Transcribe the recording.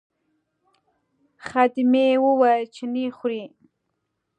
خدمې وویل چې نه خورئ.